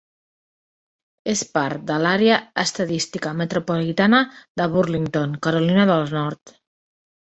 És part de l'àrea d'estadística metropolitana de Burlington, Carolina del Nord.